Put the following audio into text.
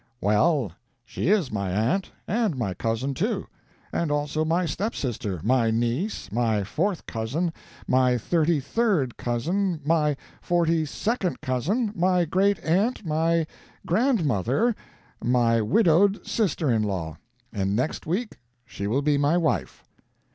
"Well, she is my aunt, and my cousin, too. And also my stepsister, my niece, my fourth cousin, my thirty third cousin, my forty second cousin, my great aunt, my grandmother, my widowed sister in law and next week she will be my wife."